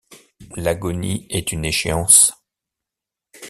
L’agonie est une échéance.